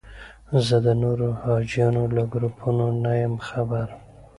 زه د نورو حاجیانو له ګروپونو نه یم خبر.